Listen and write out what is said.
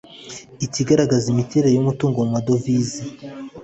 igaragaza imiterere y umutungo mu madovize